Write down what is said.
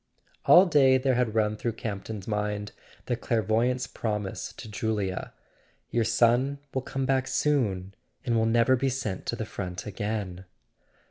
All day there had run through Campton's mind the clairvoyant# s promise to Julia: "Your son will come back soon, and will never be sent to the front again."